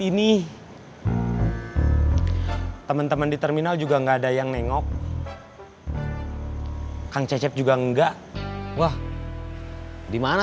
ini teman teman di terminal juga enggak ada yang nengok kang cecep juga enggak wah dimana